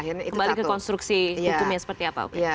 kembali ke konstruksi hukumnya seperti apa